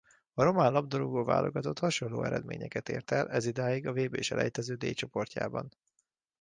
A román labdarúgó-válogatott hasonló eredményeket ért el ezidáig a vb-selejtező D csoportjában.